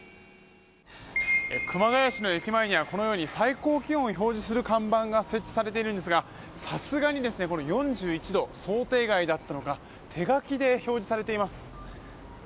熊谷市の駅前にはこのように最高気温を表示する看板が設置されているんですがさすがに４１度、想定外だったのか手書きで表示されています。